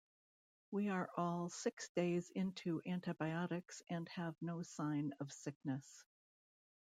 We are all six days into antibiotics and have no sign of sickness